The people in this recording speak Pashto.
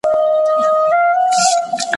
زه اوس د کتابتون لپاره کار کوم!.